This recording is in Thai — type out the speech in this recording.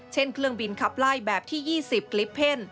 เช่นเครื่องบินขับไล่แบบที่๒๐ลิปเพ่น